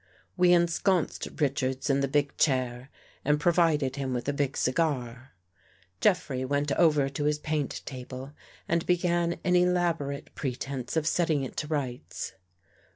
We ensconced Richards in the big chair and provided him with a big cigar. Jeffrey went over to his paint table and began an elaborate pretense of setting it to rights.